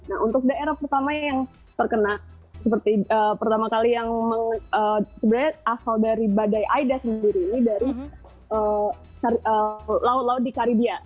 nah untuk daerah pertama yang terkena pertama kali yang sebenarnya asal dari badai aida sendiri ini dari laut laut di karibia